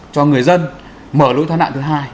cho người dân mở lối thoát nạn thứ hai